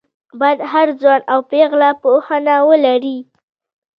باید هر ځوان او پېغله پوهنه ولري